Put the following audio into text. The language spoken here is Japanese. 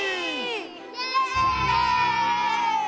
イエーイ！